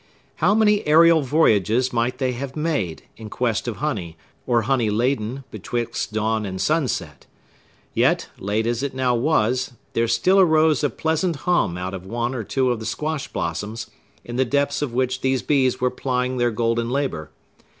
How many aerial voyages might they have made, in quest of honey, or honey laden, betwixt dawn and sunset! Yet, late as it now was, there still arose a pleasant hum out of one or two of the squash blossoms, in the depths of which these bees were plying their golden labor.